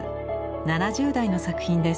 ７０代の作品です。